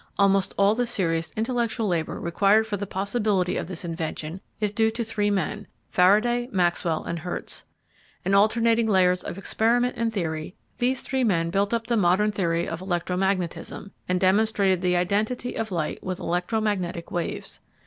Almost all the serious intellectual labour required for the possibility of this invention is due to three men Faraday, Maxwell, and Hertz. In alternating layers of experiment and theory these three men built up the modern theory of electromagnetism, and demonstrated the identity of light with electromagnetic waves.